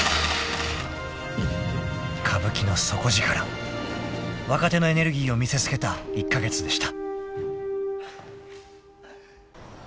［歌舞伎の底力を若手のエネルギーを見せつけた１カ月でした］